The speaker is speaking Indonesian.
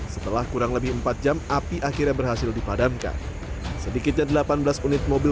setelah kurang lebih empat jam api akhirnya berhasil dipadamkan sedikitnya delapan belas unit mobil